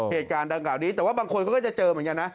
เหตุการณ์ดังกล่าวนี้แต่ว่าบางคนเขาก็จะเจอเหมือนกันนะ